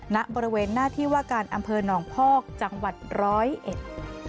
ในบริเวณหน้าที่ว่าการอำเภอน้องพอกจังหวัด๑๐๑